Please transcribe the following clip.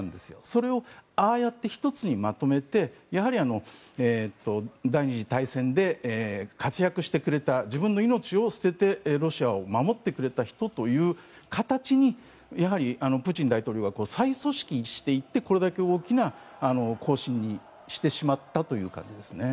それをああやって１つにまとめて第２次大戦で活躍してくれた自分の命を捨ててロシアを守ってくれた人という形でやはりプーチン大統領は再組織していってこれだけ大きな行進にしてしまったという感じですね。